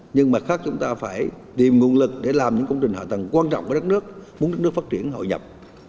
nhưng mặt khác chúng ta phải tìm nguồn lực để làm những công trình hạ tầng quan trọng của đất nước muốn đất nước phát triển hội nhập